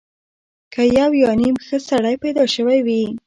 که یو یا نیم ښه سړی پیدا شوی وي.